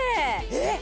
えっ！？